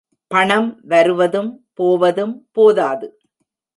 பணம் வருவதும் போவதும் போதாது.